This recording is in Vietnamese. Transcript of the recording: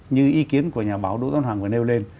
như ý kiến của nhà báo đỗ tân hoàng vừa nêu lên